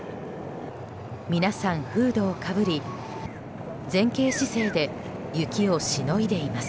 皆さん、フードをかぶり前傾姿勢で雪をしのいでいます。